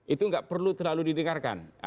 itu nggak perlu terlalu didengarkan